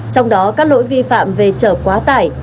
trong đó các lỗi vi phạm về chở quá tải